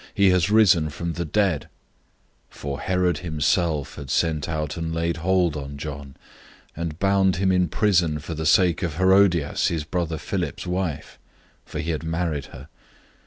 He has risen from the dead." 006:017 For Herod himself had sent out and arrested John, and bound him in prison for the sake of Herodias, his brother Philip's wife, for he had married her.